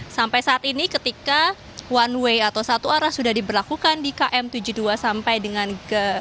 sampai saat ini ketika one way atau satu arah sudah diberlakukan di km tujuh puluh dua sampai dengan ke